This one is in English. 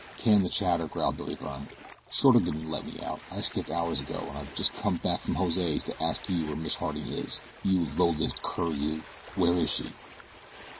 "Can the chatter," growled Billy Byrne. "Shorter didn't let me out. I escaped hours ago, and I've just come back from Jose's to ask you where Miss Harding is, you low lived cur, you. Where is she?"